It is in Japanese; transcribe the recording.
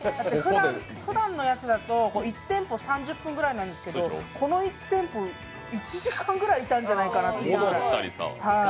ふだんのやつだと１店舗３０分ぐらいなんですけど、この１店舗１時間ぐらいいたんじゃないかなっていうぐらい。